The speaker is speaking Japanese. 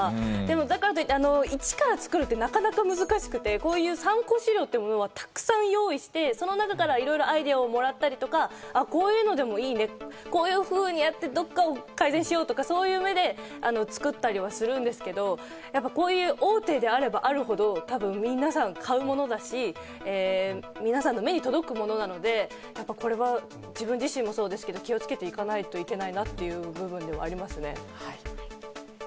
だからといって、一から作るってなかなか難しくて、こういう参考資料というものはたくさん用意して、その中からアイデアをもらったりとか、こういうのでもいいね、こういうふうにやって、どこかを改善しようとか、そういう上で作ったりはするんですけど、大手であればあるほど皆さん買うものだし、皆さんの目に届くものなので、自分自身もそうですけど、気をつけていかないといけないなっていう部分ではありますね。